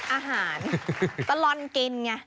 เป็นไงคะอาหารตลอดกินไง